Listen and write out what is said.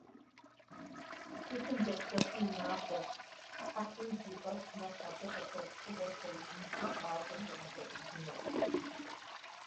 Тхылъым дапщэщи и махуэщ, хьэкъыуи ди фӏэщ мэхъу абы къыхэкӏ фӏыгъуэр лъэужьыншэу гъащӏэм зэрыхэмыкӏуэдыкӏыжыр.